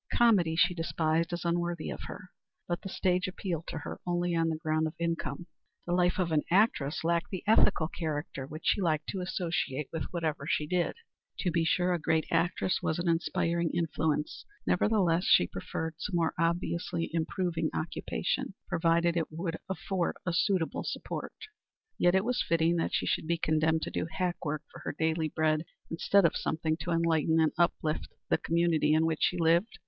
Comedy she despised as unworthy of her. But the stage appealed to her only on the ground of income. The life of an actress lacked the ethical character which she liked to associate with whatever she did. To be sure, a great actress was an inspiring influence. Nevertheless she preferred some more obviously improving occupation, provided it would afford a suitable support. Yet was it fitting that she should be condemned to do hack work for her daily bread instead of something to enlighten and uplift the community in which she lived?